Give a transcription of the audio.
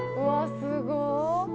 すごい。